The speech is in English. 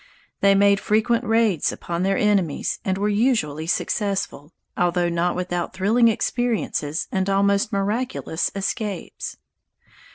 They made frequent raids upon their enemies and were usually successful, although not without thrilling experiences and almost miraculous escapes.